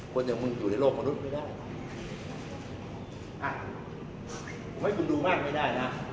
คนอย่างมึงอยู่ในโลกมนุษย์ไม่ได้อ่ะเฮ้ยคุณดูมากไม่ได้นะ